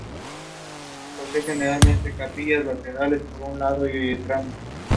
Poseen generalmente capillas laterales, una por lado y tramo.